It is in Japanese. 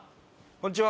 こんちは！